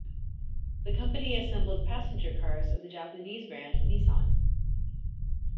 The company assembled passenger cars of the Japanese brand Nissan.